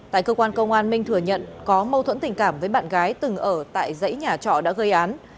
tại cơ quan công an minh thừa nhận có mâu thuẫn tình cảm với bạn gái từng ở tại dãy nhà trọ đã gây án